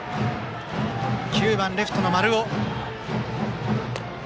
打者は９番レフトの丸尾。